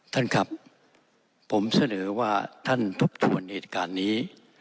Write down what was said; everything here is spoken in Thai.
ท่านครับผมเสนอว่าท่านทบทวนเหตุการณ์นี้